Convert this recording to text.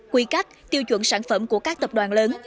quy cách tiêu chuẩn sản phẩm của các tập đoàn lớn